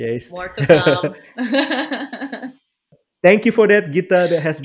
lebih banyak yang akan datang